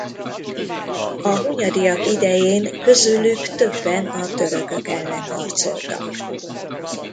A Hunyadiak idején közülük többen a törökök ellen harcoltak.